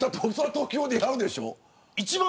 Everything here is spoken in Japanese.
東京でやるでしょ。